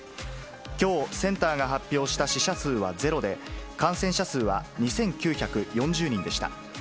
きょう、センターが発表した死者数はゼロで、感染者数は２９４０人でした。